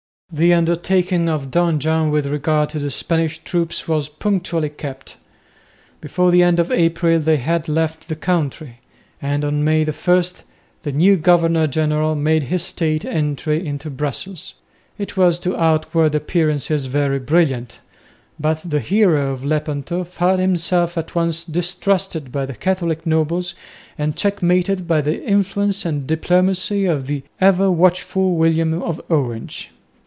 The undertaking of Don John with regard to the Spanish troops was punctually kept. Before the end of April they had all left the country; and on May 1 the new governor general made his state entry into Brussels. It was to outward appearances very brilliant. But the hero of Lepanto found himself at once distrusted by the Catholic nobles and checkmated by the influence and diplomacy of the ever watchful William of Orange.